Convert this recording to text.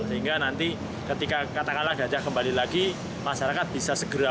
sehingga nanti ketika katakanlah gajah kembali lagi masyarakat bisa segera